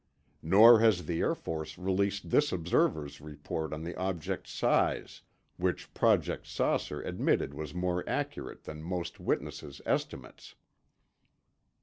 Nor has the Air Force released this observer's report on the object's size, which Project "Saucer" admitted was more accurate than most witnesses' estimates.)